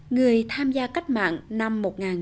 người tham gia cách mạng năm một nghìn chín trăm năm mươi sáu